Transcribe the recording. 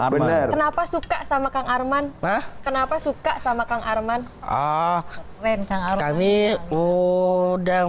arman kenapa suka sama kang arman kenapa suka sama kang arman ah rentang kami udah